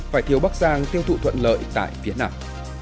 phải thiếu bác giang tiêu thụ thuận lợi tại phía nào